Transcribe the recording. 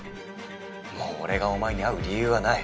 もう俺がお前に会う理由はない。